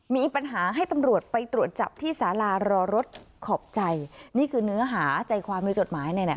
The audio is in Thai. มีปัญหาให้ตำรวจไปตรวจจับที่สารารอรถขอบใจนี่คือเนื้อหาใจความในจดหมายเนี่ยนะ